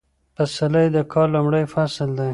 پسرلی د کال لومړی فصل دی